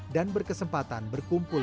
dan berkesempatan berkumpul